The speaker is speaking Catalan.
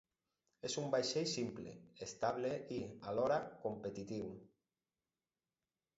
És un vaixell simple, estable, i, alhora, competitiu.